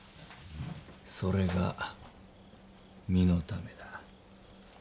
それが身のためだ。